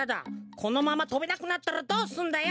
このままとべなくなったらどうすんだよ。